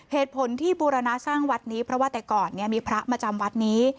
เหตุผลที่บูรณาสร้างวัดนี้เพราะว่าแต่ก่อนมีพระมาจำวัดนี้